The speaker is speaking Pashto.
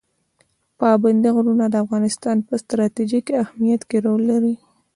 پابندی غرونه د افغانستان په ستراتیژیک اهمیت کې رول لري.